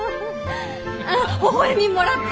あっほほ笑みもらった。